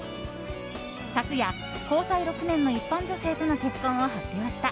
昨夜、交際６年の一般女性との結婚を発表した。